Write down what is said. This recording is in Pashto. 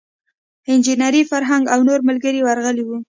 انجینیر فرهنګ او نور ملګري ورغلي وو.